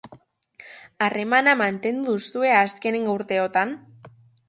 Harremana mantendu duzue azken urteotan?